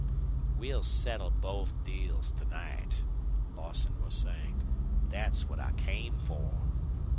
"We'll settle both deals to night," Lawson was saying. "That's what I came for."